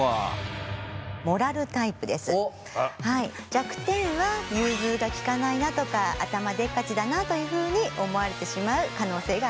弱点は融通が利かないなとか頭でっかちだなというふうに思われてしまう可能性があります。